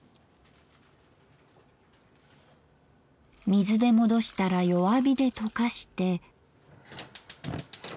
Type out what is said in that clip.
水で戻したら弱火で溶かして。